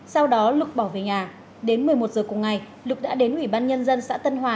sau đó lực bỏ về nhà đến một mươi một h cuối ngày lực đã đến ủy ban nhân dân xã tân hòa